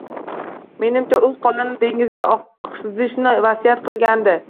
Menimcha, u kulini dengizga oqizishni vasiyat qilgandi